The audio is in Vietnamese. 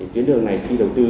tuyến đường này khi đầu tư